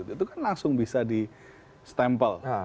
itu kan langsung bisa di stempel